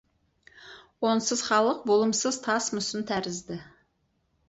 Онсыз халық болымсыз тас мүсін тәрізді.